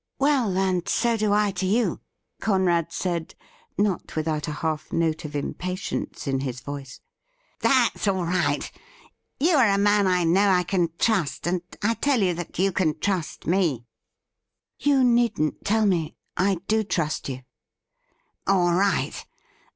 ' Well, and so do I to you,' Conrad said, not without a half note of impatience in his voice. ' That's all right. You are a man I know I can trust,, and I tell you that you can trust me.' 250 THE lUDDLE RING ' You needn't tell me. I do trust you.' ' All right.